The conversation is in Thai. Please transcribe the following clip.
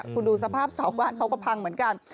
คุณดูสภาพเสาบ้านเขาก็พังเหมือนกัน